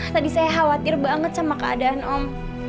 tadi saya khawatir banget sama keadaan om